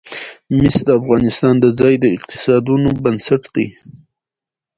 مس د افغانستان د ځایي اقتصادونو بنسټ دی.